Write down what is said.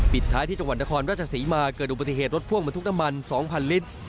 ท้ายที่จังหวัดนครราชศรีมาเกิดอุบัติเหตุรถพ่วงมาทุกน้ำมัน๒๐๐ลิตร